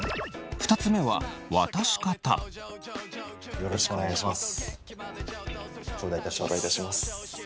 ３つ目はよろしくお願いします。